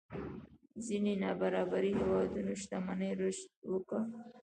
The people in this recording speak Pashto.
ځينې نابرابرۍ هېوادونو شتمنۍ رشد وکړي.